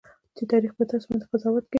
چې تاريخ به تاسو باندې قضاوت کوي.